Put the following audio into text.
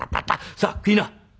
「さあ食いな」。